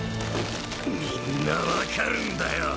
みんな分かるんだよ。